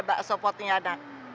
bakso potnya ada